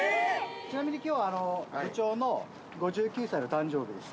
ちなみにきょうは部長の５９歳の誕生日です。